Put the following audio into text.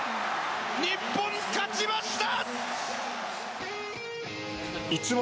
日本、勝ちました！